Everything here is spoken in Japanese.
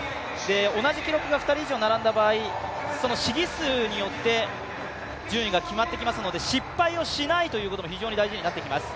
同じ記録が２人以上並んだ場合、その試技数によって順位が決まってきますので失敗をしないということも非常に重要になります。